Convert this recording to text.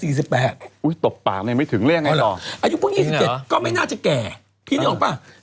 อุ๊ยปากตบปากเลยไม่ถึงเล่นไงต่ออายุพึ่ง๒๗ก็ไม่น่าจะแก่พี่นึกออกป่ะ